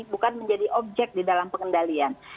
bukan menjadi objek di dalam pengendalian